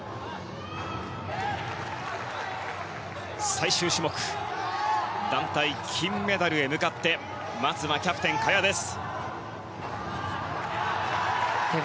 最終種目団体金メダルへ向かってまずはキャプテンの萱です。